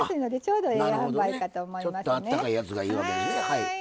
はい。